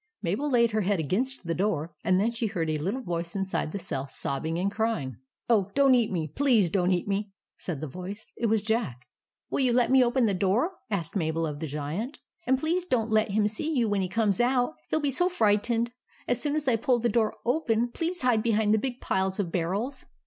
Mabel laid her head against the door, and then she heard a little voice inside the cell sobbing and crying. " Oh, don't eat me, please don't eat me I " said the voice. It was Jack. " Will you let me open the door? " asked Mabel of the Giant. " And please don't let him see you when he comes out. He '11 be so frightened. As soon as I pull the door open, please hide behind the big piles of barrels."